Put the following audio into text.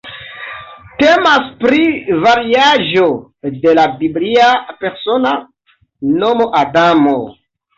Temas pri variaĵo de la biblia persona nomo Adamo.